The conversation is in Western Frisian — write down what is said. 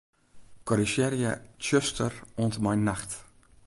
Korrizjearje 'tsjuster' oant en mei 'nacht'.